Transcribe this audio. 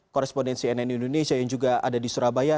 korespondensi nn indonesia yang juga ada di surabaya